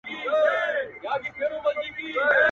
غوږ سه ورته.